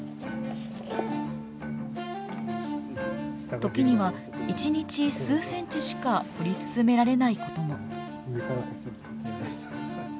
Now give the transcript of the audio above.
時には一日数センチしか掘り進められないことも。